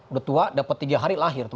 udah tua dapet tiga hari lahir